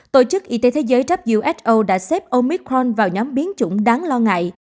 tổ chức y tế thế giới who đã xếp omicron vào nhóm biến chủng đáng lo ngại